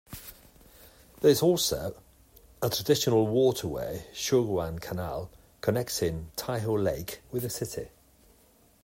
There is also a traditional waterway-Xuguang Canal, connecting Taihu Lake with the City.